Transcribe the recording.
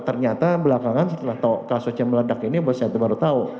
ternyata belakangan setelah tahu kasusnya meledak ini bos saya baru tahu